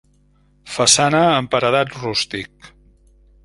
Façana en paredat rústic.